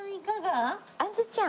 あんずちゃん。